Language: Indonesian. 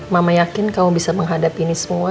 mama yakin kamu bisa menghadapi ini semua